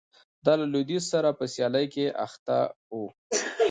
دا له لوېدیځ سره په سیالۍ کې اخته و